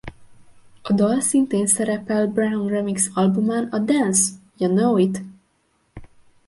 A dal szintén szerepel Brown remix albumán a Dance!...Ya Know It!